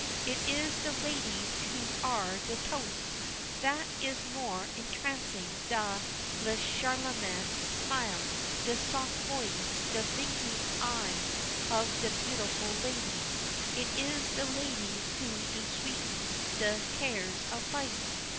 It is de ladies who are de toast. Vat is more entrancing dan de charmante smile, de soft voice, de vinking eye of de beautiful lady? It is de ladies who do sweeten de cares of life.